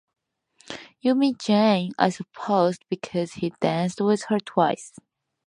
You mean Jane, I suppose, because he danced with her twice.